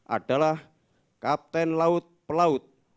adalah kapten laut pelaut